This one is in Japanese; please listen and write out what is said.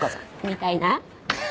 みたいな？